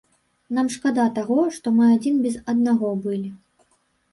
Нам шкада таго, што мы адзін без аднаго былі.